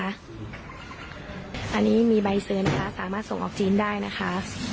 อันนี้มีใบเซิร์นนะคะสามารถส่งออกจีนได้นะคะ